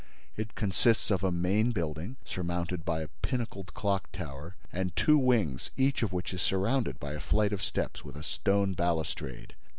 It consists of a main building, surmounted by a pinnacled clock tower, and two wings, each of which is surrounded by a flight of steps with a stone balustrade.